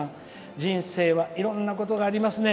人生はいろんなことがありますね。